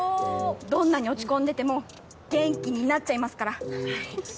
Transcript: どんなに落ち込んでても元気になっちゃいますからははっ。